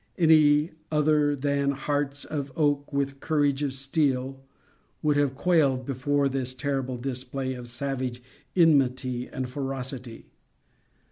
Any other than hearts of oak with courage of steel would have quailed before this terrible display of savage enmity and ferocity.